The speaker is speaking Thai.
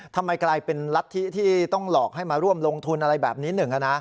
ทำไมกลายเป็นรัฐธิที่ต้องหลอกให้มาร่วมลงทุนอะไรแบบนี้หนึ่ง